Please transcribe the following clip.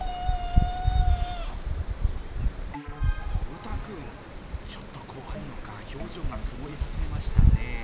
ウタくん、ちょっと怖いのか、表情が曇り始めましたね。